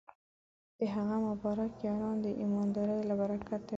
د هغه مبارک یارانو د ایماندارۍ له برکته وې.